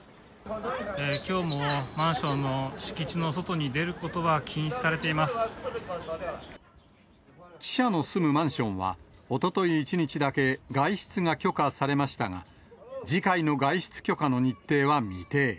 きょうもマンションの敷地の記者の住むマンションは、おととい１日だけ外出が許可されましたが、次回の外出許可の日程は未定。